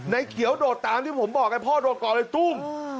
เขียวโดดตามที่ผมบอกไงพ่อโดดก่อนเลยตุ้ม